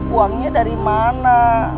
uangnya dari mana